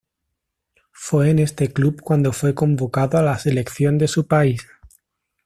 Fue en este club cuando fue convocado a la selección de su país.